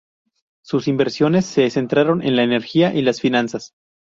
Sus inversiones se centraron en la energía y las finanzas.